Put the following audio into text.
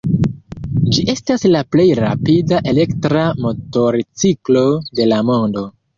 Ĝi estas la plej rapida elektra motorciklo de la mondo.